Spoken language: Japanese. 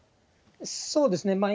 そうですね。